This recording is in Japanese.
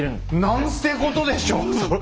なんてことでしょう！